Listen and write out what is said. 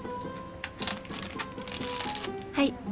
はい。